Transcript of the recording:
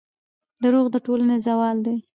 دروغ د ټولنې زوال دی.